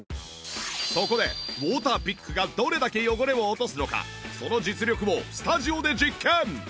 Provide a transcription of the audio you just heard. そこでウォーターピックがどれだけ汚れを落とすのかその実力をスタジオで実験！